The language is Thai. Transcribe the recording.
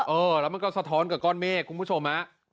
เออแล้วมันก็สะท้อนกับก้อนเมฆคุณผู้ชมฮะ